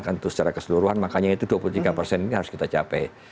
kan itu secara keseluruhan makanya itu dua puluh tiga persen ini harus kita capai